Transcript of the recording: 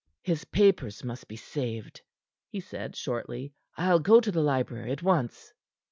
"His papers must be saved," he said shortly. "I'll go to the library at once."